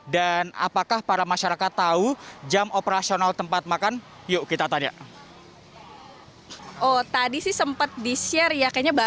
dan apakah para masyarakat tahu jam operasional tempat makan yuk kita tanya